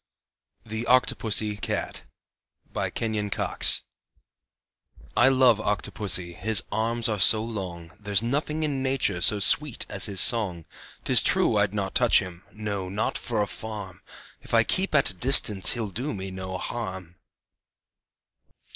THE OCTOPUSSYCAT BY KENYON COX I love Octopussy, his arms are so long; There's nothing in nature so sweet as his song. 'Tis true I'd not touch him no, not for a farm! If I keep at a distance he'll do me no harm.